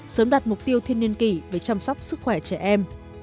sớm đạt mục tiêu thiên niên kỷ về chăm sóc sức khỏe trẻ em